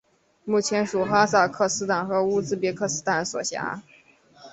目前属哈萨克斯坦和乌兹别克斯坦所辖。